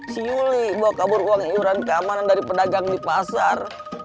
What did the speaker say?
siuli bawa kabur uang iuran keamanan dari pedagang di pasar